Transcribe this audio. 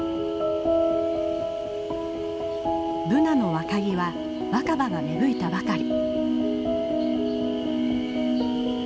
ブナの若木は若葉が芽吹いたばかり。